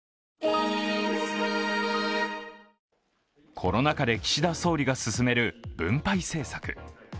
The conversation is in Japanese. コロナ禍で岸田総理が進める分配政策。